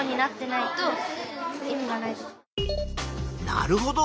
なるほど。